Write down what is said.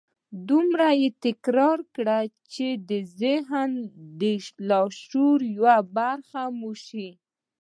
دومره يې تکرار کړئ چې د ذهن د لاشعور يوه برخه مو شي.